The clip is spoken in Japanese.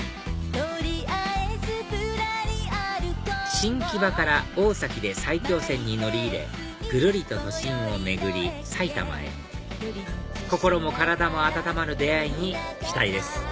新木場から大崎で埼京線に乗り入れぐるりと都心を巡り埼玉へ心も体も温まる出会いに期待です